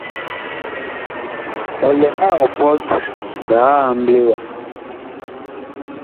Ɔ lɛ nɛ ɔ pɔt biig amble wa.